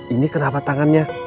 ini kenapa tangannya